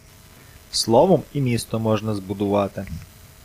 Словом і місто можна збудувати.